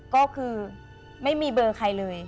ก็คือไม่มีเบอร์ใครเลย